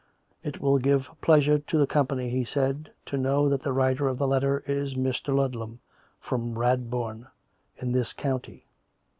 " It will give pleasure to the company," he said, " to know that the writer of the letter is Mr. Ludlam, from Rad bourne, in this county.